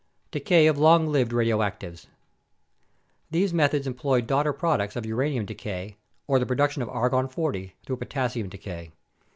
Decay of Long Lived Radioactivities These methods employ daughter products of uranium decay or the production of 10 Ar through potassium decay.